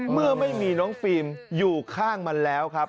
เมื่อไม่มีน้องฟิล์มอยู่ข้างมันแล้วครับ